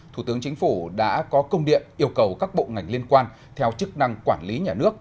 thủ tướng chính phủ đã có công điện yêu cầu các bộ ngành liên quan theo chức năng quản lý nhà nước